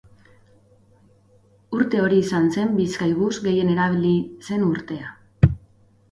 Urte hori izan zen Bizkaibus gehien erabili zen urtea.